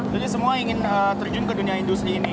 jadi semua yang ingin terjun ke dunia industri ini